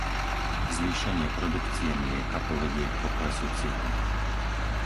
Zvýšenie produkcie mlieka povedie k poklesu cien.